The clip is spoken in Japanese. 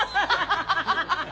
ハハハハ。